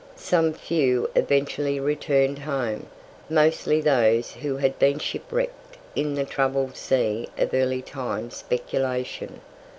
Some few eventually returned "Home," mostly those who had been shipwrecked in the troubled sea of early time speculation.